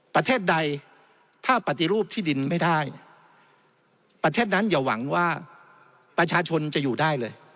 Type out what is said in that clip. ประเทศใดถ้าปฏิรูปที่ดินไม่ได้ประเทศนั้นอย่าหวังว่าประชาชนจะอยู่ได้เลย